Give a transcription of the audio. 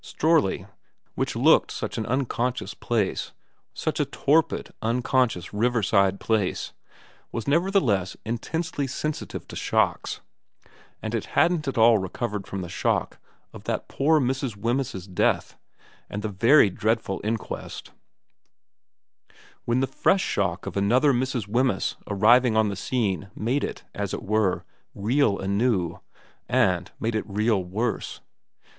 Strorley, which looked such an unconscious place, such a torpid, unconscious riverside place, was nevertheless intensely sensitive to shocks, and it hadn't at all recovered from the shock of that poor Mrs. Wemyss's death and the very dreadful inquest, when the fresh shock of another Mrs. Wemyss arriving on the scene made it, as it were, reel anew, and made it reel worse.